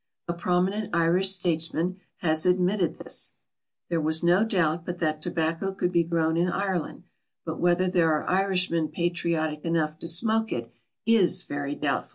A prominent Irish statesman has admitted this: "There was no doubt but that tobacco could be grown in Ireland, but whether there are Irishmen patriotic enough to smoke it, is very doubtful."